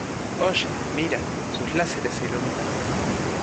¡ Oye, mira! Sus láseres se iluminan.